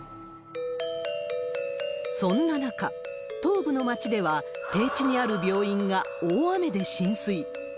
そんな中、東部の町では、低地にある病院が大雨で浸水。